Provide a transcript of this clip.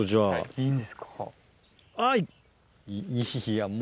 いいんですか。